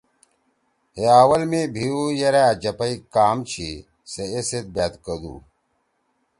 ہے اوّل می بھیؤ یرأ أ جپئی کام چھی۔ سے ای سیت بأت کدُو۔